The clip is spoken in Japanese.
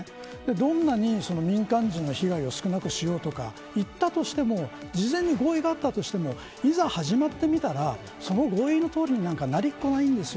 どんなに民間人の被害を少なくしようとか言ったとしても、事前に合意があったとしてもいざ始まってみたらその合意のとおりになんかなりようがないです。